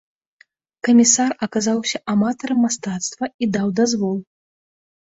Камісар аказаўся аматарам мастацтва і даў дазвол.